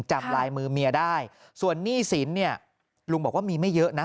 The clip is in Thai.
จำลายมือเมียได้ส่วนหนี้สินเนี่ยลุงบอกว่ามีไม่เยอะนะ